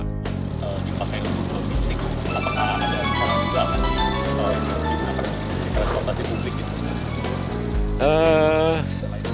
bagaimana dengan perlambuan fisik apakah ada perlambuan yang akan diperlukan untuk menjaga responasi publik